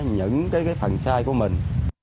những cái phần sai của mình